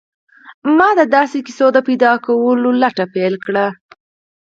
ما د داسې کیسو د پیدا کولو لټه پیل کړه